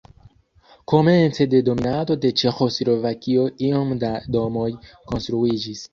Komence de dominado de Ĉeĥoslovakio iom da domoj konstruiĝis.